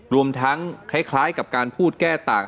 รวมทั้งคล้ายกับการพูดแก้ต่าง